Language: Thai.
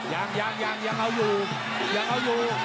ยังยังเอาอยู่ยังเอาอยู่